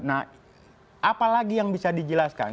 nah apalagi yang bisa dijelaskan